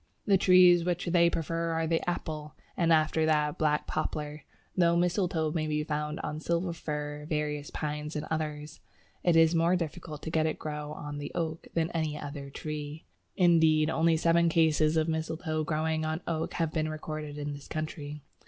The trees which they prefer are the Apple, and after that Black Poplar, though mistletoe may be found on Silver Fir, various Pines, and others. It is more difficult to get it to grow on the Oak than on any other tree. Indeed, only seven cases of mistletoe growing on oak have been recorded in this country.